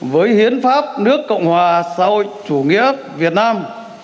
với hiến pháp nước cộng hòa rồi chủ nghĩa việt nam